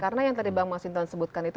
karena yang tadi bang masinton sebutkan itu